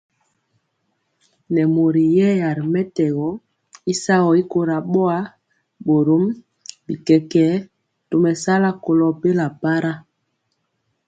Nɛ mori yɛya ri mɛtɛgɔ y sagɔ y kora boa, borom bi kɛkɛɛ tomesala kolo bela para.